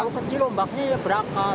kecil lombaknya berangkat